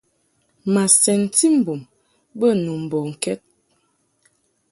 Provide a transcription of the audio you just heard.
Ma sɛnti mbum bə nu mbɔŋkɛd.